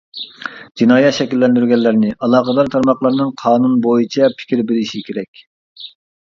جىنايەت شەكىللەندۈرگەنلەرنى ئالاقىدار تارماقلارنىڭ قانۇن بويىچە پىكىر بېرىشى كېرەك.